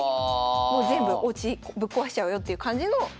もう全部おうちぶっ壊しちゃうよっていう感じの手でした。